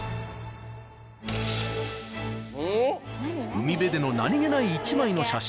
［海辺での何げない１枚の写真］